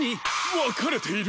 わかれている！